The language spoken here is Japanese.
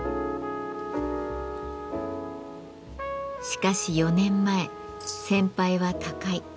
しかし４年前先輩は他界。